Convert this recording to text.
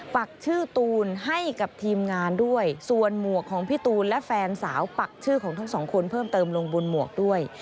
ปักชื่อตูนให้กับทีมงานด้วยส่วนหมวกของพี่ตูนและแฟนสาวปักชื่อของทั้งสองคนเพิ่มเติมลงบนหมวกด้วย